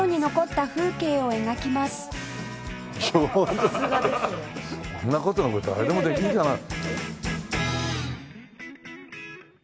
さすがですね。こんな事誰でもできるんじゃない？